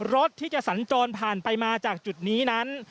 รถที่จะสัญจรผ่านไปมาจากจุดนี้นั้น